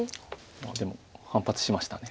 でも反発しました。